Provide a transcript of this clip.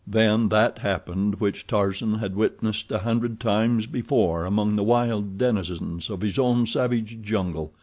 Then that happened which Tarzan had witnessed a hundred times before among the wild denizens of his own savage jungle.